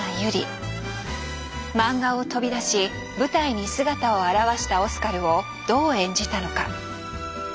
マンガを飛び出し舞台に姿を現したオスカルをどう演じたのか。